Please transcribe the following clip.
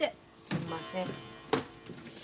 すんません。